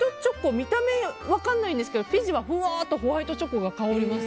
見た目は分からないんですけど生地はふわっとホワイトチョコが香ります。